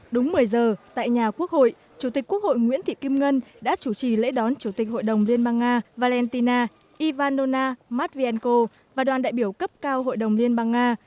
đúng một mươi giờ tại nhà quốc hội chủ tịch quốc hội nguyễn thị kim ngân đã chủ trì lễ đón chủ tịch hội đồng liên bang nga valentina ivanona matvienko và đoàn đại biểu cấp cao hội đồng liên bang nga